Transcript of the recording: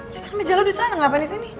ya kan meja lo disana ngapain disini